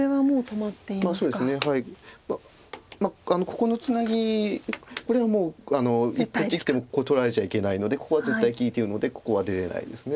まあここのツナギこれはもう生きてもここ取られちゃいけないのでここは絶対利いてるのでここは出れないです。